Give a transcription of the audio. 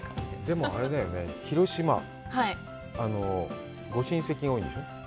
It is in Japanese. でも、広島、ご親戚が多いんでしょう？